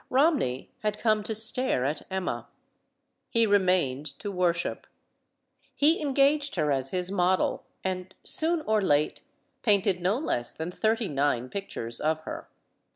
Romney had come to stare at Emma. He remained to worship. He engaged her as his model, and, soon or late, painted no less than thirty nine pictures of her.